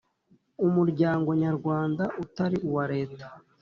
Umuryango nyarwanda utari uwa leta